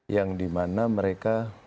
yang dimana mereka